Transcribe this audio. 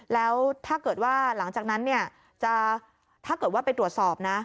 แล้วถ้าเกิดว่าหลังจากนั้นเนี่ยจะถ้าเกิดว่าไปตรวจสอบนะ